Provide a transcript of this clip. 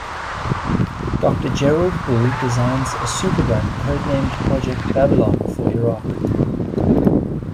Doctor Gerald Bull designs a supergun codenamed Project Babylon for Iraq.